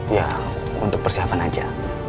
ya untuk persiapan aja